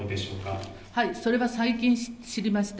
それは最近知りました。